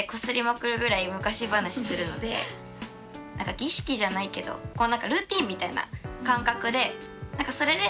儀式じゃないけどルーティンみたいな感覚で。